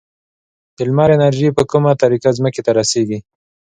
د لمر انرژي په کومه طریقه ځمکې ته رسیږي؟